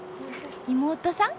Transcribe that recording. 妹さん？